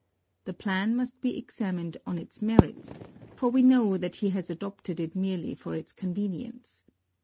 The plan must be examined on its merits, for we know that he has adopted it merely for its convenience.